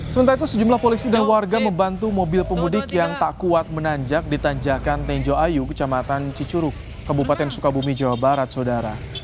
sementara itu sejumlah polisi dan warga membantu mobil pemudik yang tak kuat menanjak di tanjakan tenjoayu kecamatan cicuruk kabupaten sukabumi jawa barat sodara